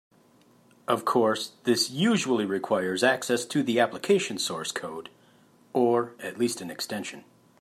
Of course, this usually requires access to the application source code (or at least an extension).